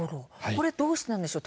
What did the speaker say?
どうしてなんでしょう。